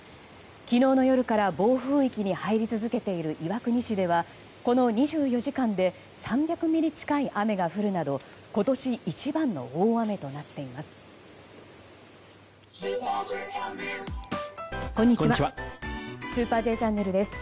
昨日の夜から暴風域に入り続けている岩国市ではこの２４時間で３００ミリ近い雨が降るなど今年一番の大雨となっています。